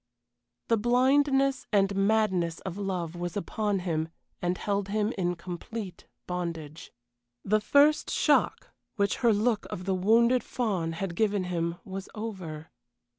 The blindness and madness of love was upon him and held him in complete bondage. The first shock, which her look of the wounded fawn had given him, was over.